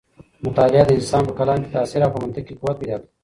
مطالعه د انسان په کلام کې تاثیر او په منطق کې قوت پیدا کوي.